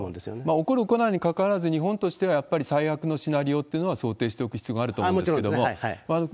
起こる、起こらないにかかわらず、日本としては、やっぱり最悪のシナリオってのは想定しておく必要があると思うんもちろんですね。